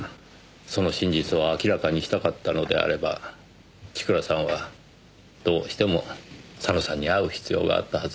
その真実を明らかにしたかったのであれば千倉さんはどうしても佐野さんに会う必要があったはずです。